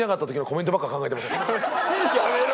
やめろ！